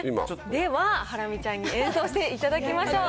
では、ハラミちゃんに演奏していただきましょう。